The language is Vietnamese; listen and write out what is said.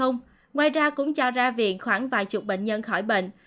ngoài ra cũng cho ra viện khoảng vài chục bệnh nhân khỏi bệnh